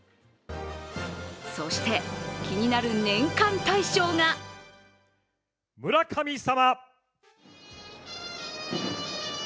そして、気になる年間大賞が村神様。